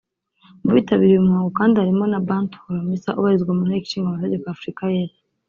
Mu bitabiriye uyu muhango kandi harimo na Bantou Holomisa ubarizwa mu Inteko Ishinga Amategeko ya Afurika y’Epfo